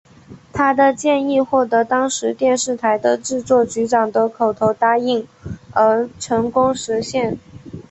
他的建议获得当时电视台的制作局长的口头答应而成功实现。